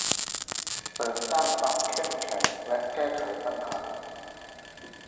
เสริมสร้างความเข้มแข็งและแก้ไขปัญหา